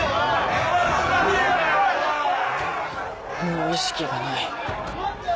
もう意識がない。